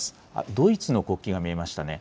ドイツの国旗が見えましたね。